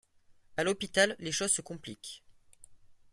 À l'hôpital, les choses se compliquent...